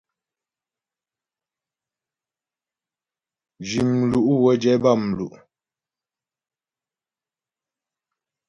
Zhi mlu' wə́ jɛ bâmlu'.